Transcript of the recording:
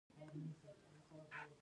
زه له خپلو استادانو سره مینه لرم.